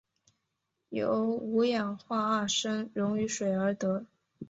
由五氧化二砷溶于水而得。